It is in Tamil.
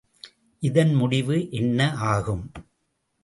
இதன் முடிவு என்ன ஆகும்?